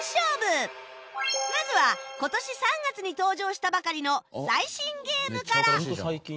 まずは今年３月に登場したばかりの最新ゲームから